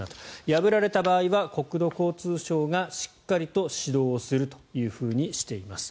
破られた場合は国土交通省がしっかりと指導をするというふうにしています。